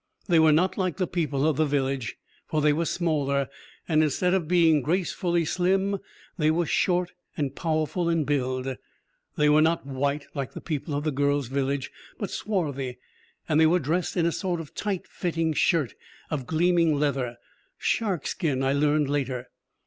They were not like the people of the village, for they were smaller, and instead of being gracefully slim they were short and powerful in build. They were not white like the people of the girl's village, but swarthy, and they were dressed in a sort of tight fitting shirt of gleaming leather shark skin, I learned later.